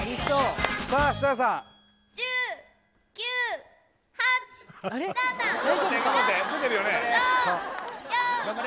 さあ設楽さんあれ？